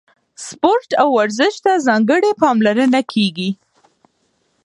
سپورت او ورزش ته ځانګړې پاملرنه کیږي.